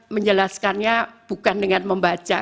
menjelaskannya bukan dengan membaca